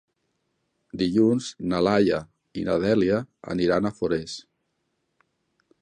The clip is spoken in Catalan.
Dilluns na Laia i na Dèlia aniran a Forès.